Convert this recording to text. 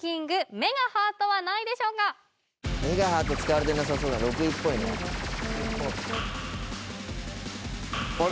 目がハートは使われてなさそう６位っぽいねあれ？